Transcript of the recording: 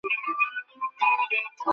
শুভ জন্মদিন, প্রিয় নীহারিকা।